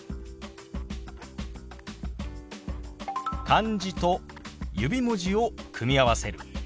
漢字と指文字を組み合わせる。